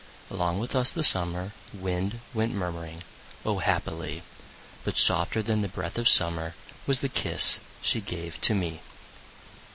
Along with us the summer wind Went murmuring O, happily! But softer than the breath of summer Was the kiss she gave to me.